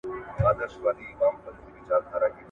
لکه څنګه چي الله تعالی فرمايي.